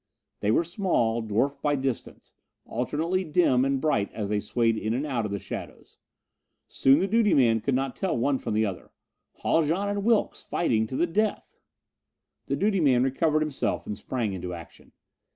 They were small, dwarfed by distance, alternately dim and bright as they swayed in and out of the shadows. Soon the duty man could not tell one from the other. Haljan and Wilks fighting to the death! The duty man recovered himself and sprang into action.